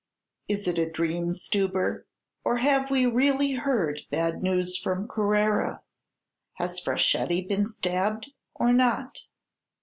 "Is it a dream, Stubber, or have we really heard bad news from Carrara? Has Fraschetti been stabbed, or not?"